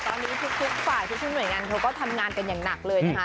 ตอนนี้ทุกฝ่ายทุกหน่วยงานเขาก็ทำงานกันอย่างหนักเลยนะคะ